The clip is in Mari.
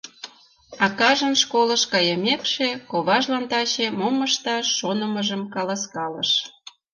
Акажын школыш кайымекше, коважлан таче мом ышташ шонымыжым каласкалыш.